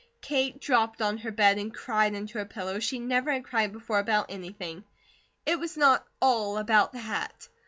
Kate dropped on her bed and cried into her pillow, as she never had cried before about anything. It was not ALL about the hat.